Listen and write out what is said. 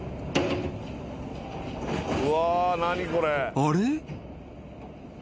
［あれ？］